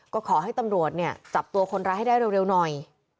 ก็ขอให้ตำรวจเนี่ยจับตัวคนร้ายให้ได้เร็วหน่อย